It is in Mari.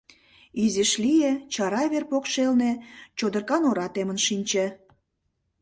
Изиш лие, чара вер покшелне чодыркан ора темынат шинче.